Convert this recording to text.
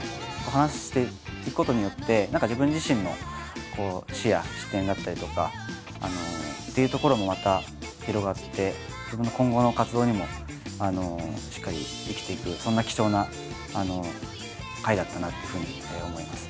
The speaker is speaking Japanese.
話していくことによって何か自分自身の視野視点だったりとかっていうところもまた広がって自分の今後の活動にもしっかり生きていくそんな貴重な回だったなっていうふうに思いますね。